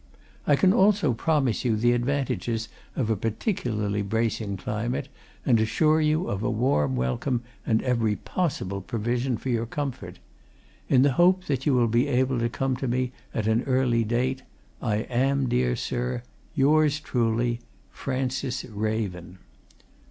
I can also promise you the advantages of a particularly bracing climate, and assure you of a warm welcome and every possible provision for your comfort. In the hope that you will be able to come to me at an early date, "I am, dear sir, "Yours truly, "FRANCIS RAVEN.